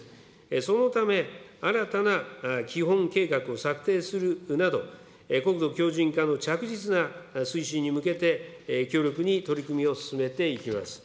そのため、新たな基本計画を策定するなど、国土強じん化の着実な推進に向けて強力に取り組みを進めていきます。